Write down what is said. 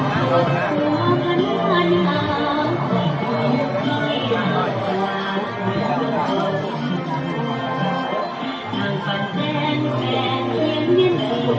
สวัสดีครับ